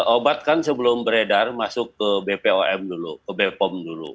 obat kan sebelum beredar masuk ke bpom dulu